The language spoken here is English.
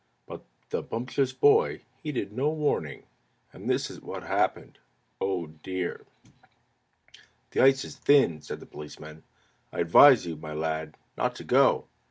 But the Bumptious Boy heeded no warning, And this is what happened. O dear! "The ice is thin," said the Policeman. "I advise you, my lad, not to go."